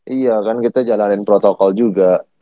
iya kan kita jalanin protokol juga